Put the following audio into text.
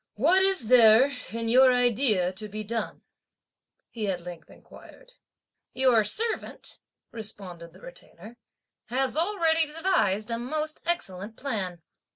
"What is there in your idea to be done?" he at length inquired. "Your servant," responded the Retainer, "has already devised a most excellent plan.